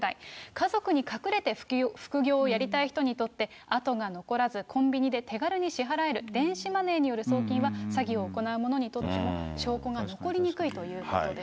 家族に隠れて副業をやりたい人にとって、あとが残らず、コンビニで手軽に支払える電子マネーによる送金は詐欺を行う者にとっても、証拠が残りにくいということです。